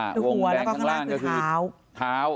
หัวแล้วก็ข้างล่างคือเท้า